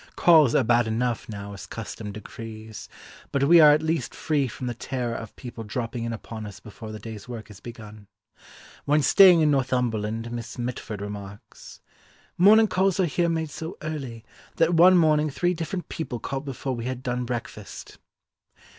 Calls are bad enough now as custom decrees, but we are at least free from the terror of people dropping in upon us before the day's work is begun. When staying in Northumberland Miss Mitford remarks, "Morning calls are here made so early, that one morning three different people called before we had done breakfast."